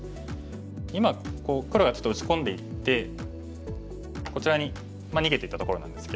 今黒がちょっと打ち込んでいってこちらに逃げていったところなんですけど。